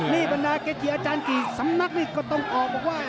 นี่บรรดาเกจิอาจารย์กี่สำนักนี่ก็ต้องออกบอกว่า